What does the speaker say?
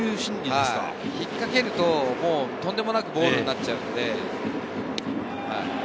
引っかけると、とんでもなくボールになっちゃうので。